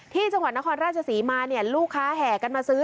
ที่จังหวัดนครราชศรีมาเนี่ยลูกค้าแห่กันมาซื้อ